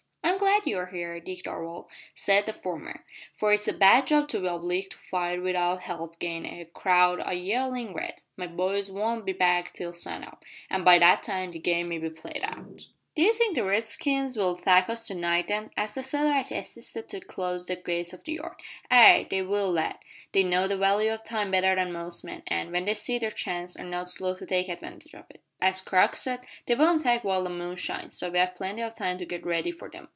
"I'm glad you are here, Dick Darvall," said the former, "for it's a bad job to be obliged to fight without help agin a crowd o' yellin' Reds. My boys won't be back till sun up, an' by that time the game may be played out." "D'ee think the Redskins 'll attack us to night then?" asked the sailor as he assisted to close the gates of the yard. "Ay, that they will, lad. They know the value o' time better than most men, and, when they see their chance, are not slow to take advantage of it. As Crux said, they won't attack while the moon shines, so we have plenty of time to git ready for them.